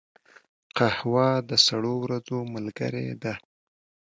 قهوه د سړو ورځو ملګرې ده